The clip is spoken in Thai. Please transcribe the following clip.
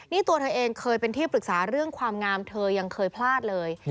นี่ตัวเธอเองเคยเป็นที่ปรึกษาเรื่องความงามเธอยังเคยพลาดเลย